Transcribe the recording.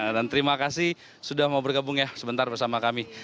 dan terima kasih sudah mau bergabung ya sebentar bersama kami